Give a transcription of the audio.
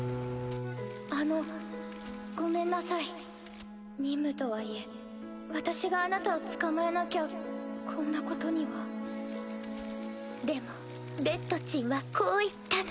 あのごめんなさ任務とはいえ私があなたを捕まえなきゃこんなことにはでもデッドちんはこう言ったの。